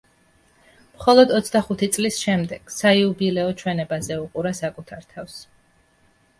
მხოლოდ ოცდახუთი წლის შემდეგ, საიუბილეო ჩვენებაზე უყურა საკუთარ თავს.